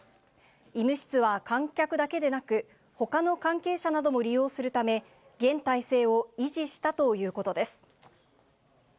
医務室は、観客だけでなく、ほかの関係者なども利用するため、現体制を維持したということです。